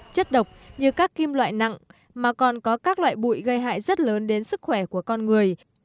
chất độc như các kim loại nặng mà còn có các loại bụi gây hại rất lớn đến sức khỏe của con người